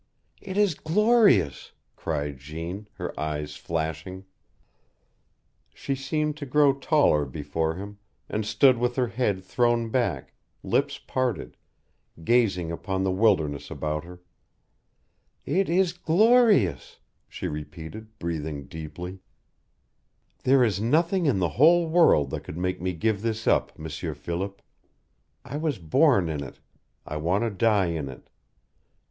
"It is glorious!" cried Jeanne, her eyes flashing. She seemed to grow taller before him, and stood with her head thrown back, lips parted, gazing upon the wilderness about her. "It is glorious!" she repeated, breathing deeply. "There is nothing in the whole world that could make me give this up, M'sieur Philip. I was born in it. I want to die in it.